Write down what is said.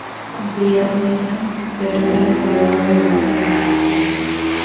Cumplida su misión, Pedro se retiró a la vida privada.